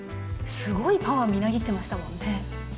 すごいパワーみなぎってましたもんね。